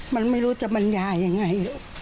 มันไม่รู้จะบรรยายยังไง